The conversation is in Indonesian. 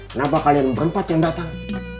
kenapa kalian berempat yang datang